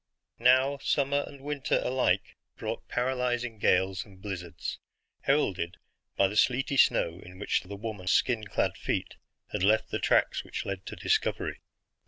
Now, summer and winter alike brought paralyzing gales and blizzards, heralded by the sleety snow in which the woman's skin clad feet had left the tracks which led to discovery.